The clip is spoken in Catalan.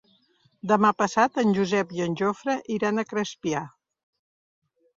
Demà passat en Josep i en Jofre iran a Crespià.